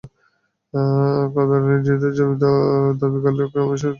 কদর আলী নিজের জমি দাবি করলেও গ্রামবাসীর দাবি, জমিটি গ্রামের কবরস্থানের জন্য।